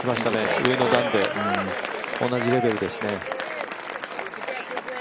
上の段で、同じレベルですね。